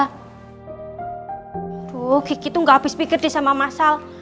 aduh gigi tuh gak habis pikir deh sama mas al